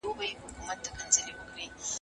دا پلان ناکام شو.